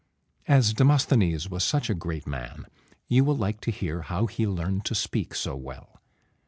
As Demosthenes was such a great man, you will like to hear how he learned to speak so well.